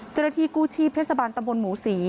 เจริญที่กู้ชีพเพศบาลตะบลหมูศรี